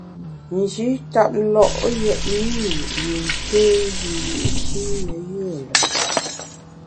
Nji tap lo’ yètne i yin té wiyi’shi ne yùe lùm.